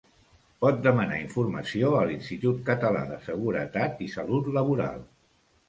Pot demanar informació a l'Institut Català de Seguretat i Salut Laboral.